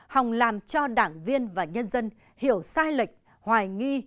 hòng làm cho đảng viên và nhân dân hiểu sai lệch hoài nghi